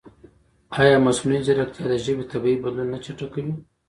ایا مصنوعي ځیرکتیا د ژبې طبیعي بدلون نه چټکوي؟